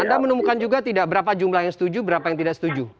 anda menemukan juga tidak berapa jumlah yang setuju berapa yang tidak setuju